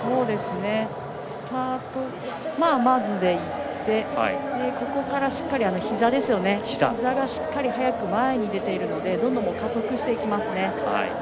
スタートまずまずでいって中盤からひざしっかり速く前に出ているのでどんどん加速していきますね。